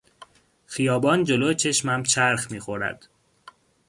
خیابان جلو چشمم چرخ میخورد.